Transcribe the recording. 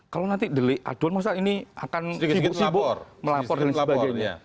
kalau nanti delik aduan masalah ini akan sibuk sibuk melapor dan sebagainya